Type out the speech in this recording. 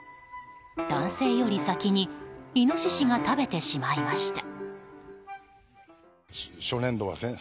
男性より先にイノシシが食べてしまいました。